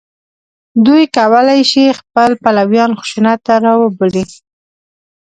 دوی کولای شي خپل پلویان خشونت ته راوبولي